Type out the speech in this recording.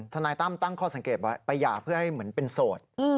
นายตั้มตั้งข้อสังเกตไว้ไปหย่าเพื่อให้เหมือนเป็นโสด